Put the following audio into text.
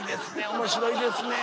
「面白いですね」。